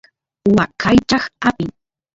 waqaychaq apin